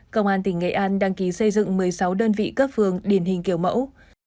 công an tỉnh nghệ an đăng ký xây dựng một mươi sáu đơn vị cấp phường điển hình kiểu mẫu